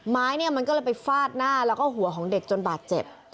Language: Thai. ไม้เนี่ยมันก็เลยไปฟาดหน้าแล้วก็หัวของเด็กจนบาดเจ็บ